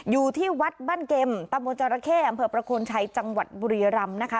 อยู่ที่วัดบ้านเกมตะมนจรเข้อำเภอประโคนชัยจังหวัดบุรีรำนะคะ